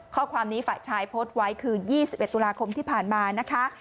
ข้อความนี้ฝ่ายชายโพสต์ไว้คือ๒๑ตุลาคมที่ผ่านมานะคะ